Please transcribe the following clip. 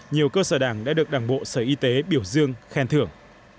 nhiều cơ sở đảng đã được đảng bộ sở y tế biểu dương khen thưởng